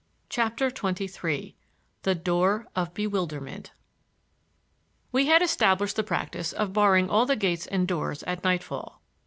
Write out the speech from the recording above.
CHAPTER XXIII THE DOOR OF BEWILDERMENT We had established the practice of barring all the gates and doors at nightfall.